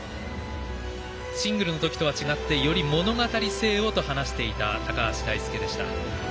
シングルの時とは違ってより物語性をと話していた高橋大輔でした。